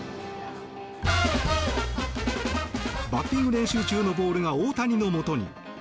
バッティング練習中のボールが大谷のもとに。